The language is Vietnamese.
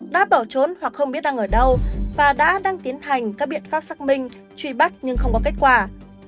đã bỏ trốn hoặc không biết đang ở đâu và đã đang tiến hành các biện pháp xác minh truy bắt nhưng không có kết quả